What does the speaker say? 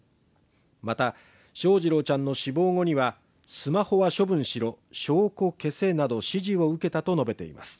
また翔士郎ちゃんの死亡後にはスマホは処分しろ証拠を消せなど指示を受けたと述べています